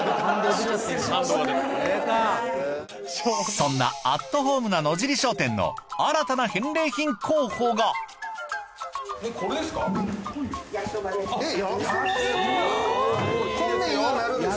そんなアットホームな野尻商店の新たな返礼品候補が焼きそばです。